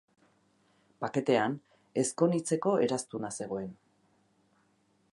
Paketean ezkon-hitzeko eraztuna zegoen.